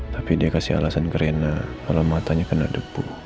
tapi dia kasih alasan ke rena kalau matanya kena debu